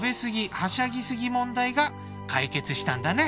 はしゃぎ過ぎ問題が解決したんだね。